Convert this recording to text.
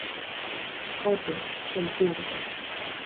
Foto: Xeitura.